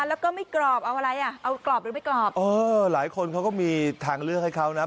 แล้วก็ไม่กรอบเอาอะไรอ่ะเอากรอบหรือไม่กรอบเออหลายคนเขาก็มีทางเลือกให้เขานะ